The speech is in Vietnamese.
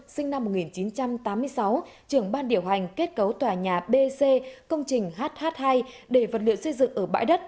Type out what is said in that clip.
sinh năm một nghìn chín trăm tám mươi sáu trưởng ban điều hành kết cấu tòa nhà b c công trình h h hai để vật liệu xây dựng ở bãi đất